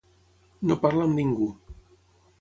No parla amb ningú.